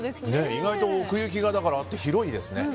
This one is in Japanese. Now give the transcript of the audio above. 意外と奥行きがあって広いですね。